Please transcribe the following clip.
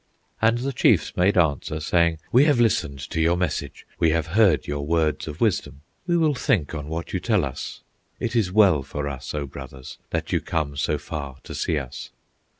And the chiefs made answer, saying: "We have listened to your message, We have heard your words of wisdom, We will think on what you tell us. It is well for us, O brothers, That you come so far to see us!"